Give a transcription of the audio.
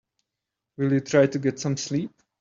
Will you try to get some sleep?